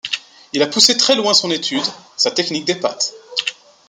Il a poussé très loin son étude, sa technique des pâtes.